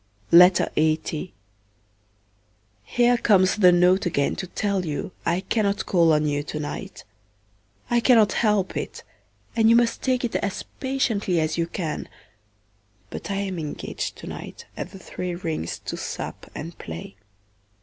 Here comes the note again to tell you I cannot call on you to night; I cannot help it, and you must take it as patiently as you can, but I am engaged to night at the Three Rings to sup and play.